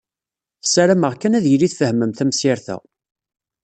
Ssarameɣ kan ad yili tfehmem tamsirt-a.